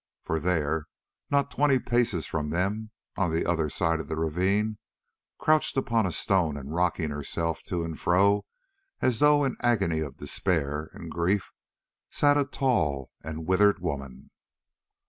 For there, not twenty paces from them, on the other side of the ravine, crouched upon a stone and rocking herself to and fro as though in an agony of despair and grief, sat a tall and withered woman.